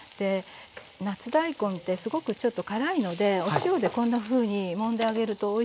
夏大根ってすごくちょっと辛いのでお塩でこんなふうにもんであげるとおいしいですね。